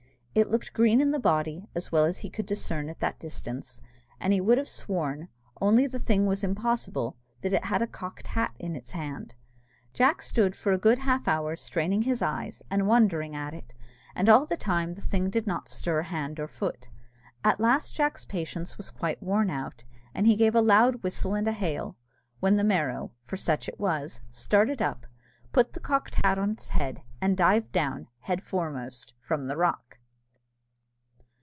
It looked green in the body, as well as he could discern at that distance, and he would have sworn, only the thing was impossible, that it had a cocked hat in its hand. Jack stood for a good half hour straining his eyes, and wondering at it, and all the time the thing did not stir hand or foot. At last Jack's patience was quite worn out, and he gave a loud whistle and a hail, when the Merrow (for such it was) started up, put the cocked hat on its head, and dived down, head foremost, from the rock.